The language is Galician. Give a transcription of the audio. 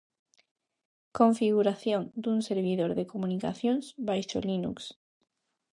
Configuración dun servidor de comunicacións baixo Linux.